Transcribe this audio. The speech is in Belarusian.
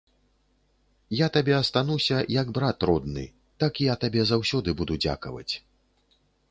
Я табе астануся, як брат родны, так я табе заўсёды буду дзякаваць.